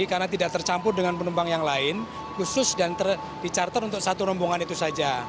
karena tidak tercampur dengan penumpang yang lain khusus dan dicarter untuk satu rombongan itu saja